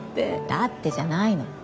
だってじゃないの。